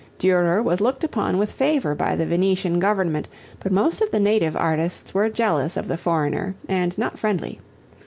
Durer was looked upon with favor by the Venetian government but most of the native artists were jealous of the foreigner and not friendly.